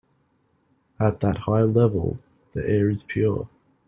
At that high level the air is pure.